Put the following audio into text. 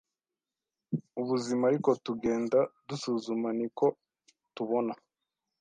Ubuzima ariko tugenda dusuzuma niko tubona